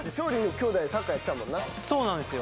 そうなんですよ。